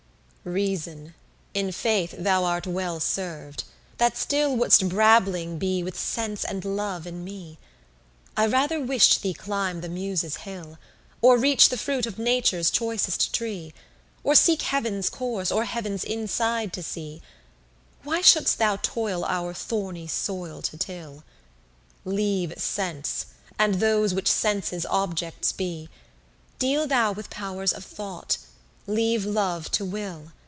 10 Reason, in faith thou art well serv'd, that still Wouldst brabbling be with sense and love in me: I rather wish'd thee climb the Muses' hill, Or reach the fruit of Nature's choicest tree, Or seek heav'n's course, or heav'n's inside to see: Why shouldst thou toil our thorny soil to till? Leave sense, and those which sense's objects be: Deal thou with powers of thoughts, leave love to will.